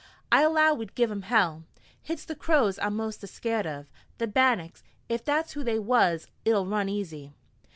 I allow we'd give 'em hell. Hit's the Crows I'm most a skeered of. The Bannacks ef that's who they was 'll run easy."